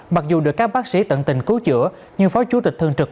mặc dù được các bác sĩ tận tình cứu chữa nhưng phó chủ tịch thường trực